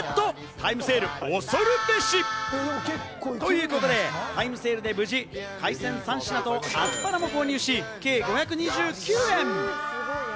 タイムセール、恐るべし！ということで、タイムセールで無事、海鮮３品とアスパラも購入し、計５２９円。